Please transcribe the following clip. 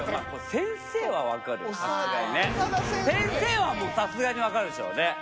先生はもうさすがにわかるでしょうね。